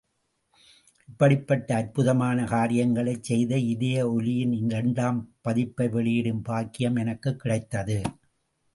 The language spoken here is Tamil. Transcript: இப்படிப்பட்ட அற்புதமான காரியங்களைச் செய்த இதய ஒலியின் இரண்டாம் பதிப்பை வெளியிடும் பாக்கியம் எனக்குக் கிடைத்தது.